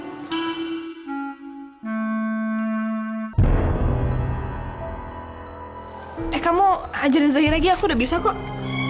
eh kamu ajarin zahira lagi aku udah bisa kok